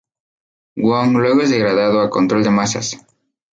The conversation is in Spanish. Wong luego es degradado a control de masas.